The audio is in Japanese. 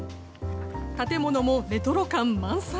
建物もレトロ感満載。